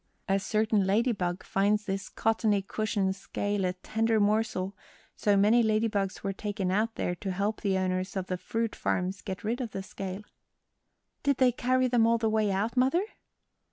A certain ladybug finds this cottony cushion scale a tender morsel, so many ladybugs were taken out there to help the owners of the fruit farms get rid of the scale." "Did they carry them all the way out, mother?"